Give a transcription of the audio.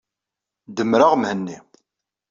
Demmreɣ Mhenni.